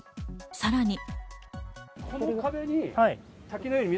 さらに。